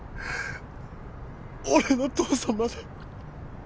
俺の父さんまで。